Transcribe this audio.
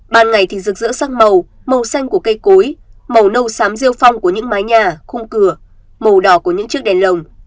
ban ngày thì rực rỡ sắc màu màu xanh của cây cối màu nâu xám rêu phong của những mái nhà khung cửa màu đỏ của những chiếc đèn lồng